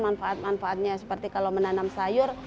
manfaat manfaatnya seperti kalau menanam sayur